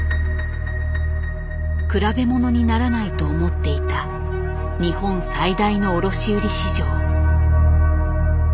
比べ物にならないと思っていた日本最大の卸売市場。